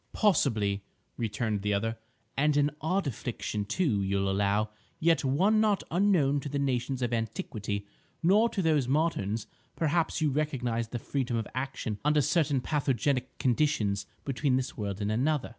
"Possibly," returned the other, "and an odd affliction, too, you'll allow, yet one not unknown to the nations of antiquity, nor to those moderns, perhaps, who recognise the freedom of action under certain pathogenic conditions between this world and another."